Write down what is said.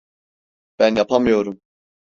Ben yapamıyorum.